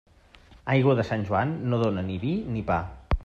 Aigua de Sant Joan, no dóna ni vi ni pa.